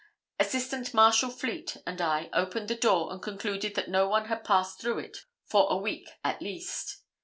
Assistant Marshal Fleet and I opened the door and concluded that no one had passed through it for a week at least.